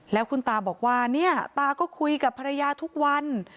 แล้วคุณตาบอกว่าเนี่ยตาก็คุยกับภรรยาทุกวัน